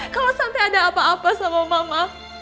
kalau sampai ada apa apa sama mama